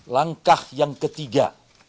langkah yang ketiga